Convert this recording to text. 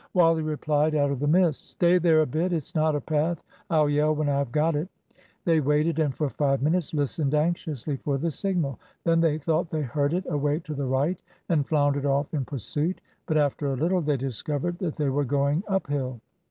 Wally replied out of the mist. "Stay there a bit it's not a path. I'll yell when I've got it." They waited, and for five minutes listened anxiously for the signal. Then they thought they heard it away to the right, and floundered off in pursuit. But after a little they discovered that they were going uphill.